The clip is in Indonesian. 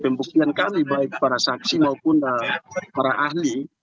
pembuktian kami baik para saksi maupun para ahli